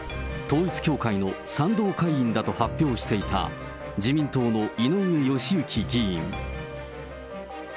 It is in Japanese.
統一教会の賛同会員だと発表していた、自民党の井上義行議員。